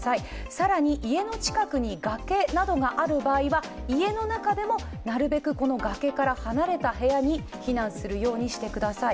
更に、家の近くに崖などがある場合は、家の中でもなるべく崖から離れた部屋に避難するようにしてください。